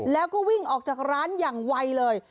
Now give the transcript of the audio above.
แล้วก็วิ่งออกจากร้านอย่างไวเลย